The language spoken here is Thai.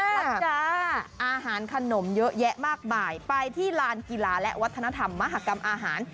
แล้วจ้าอาหารขนมเยอะแยะมากมายไปที่ลานกีฬาและวัฒนธรรมมหากรรมอาหาร